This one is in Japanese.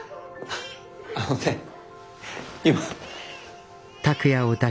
あのね今。